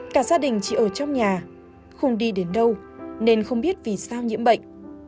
cả gia đình chỉ ở trong nhà không đi đến đâu nên không biết vì sao nhiễm bệnh